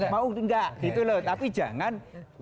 mau enggak gitu loh tapi jangan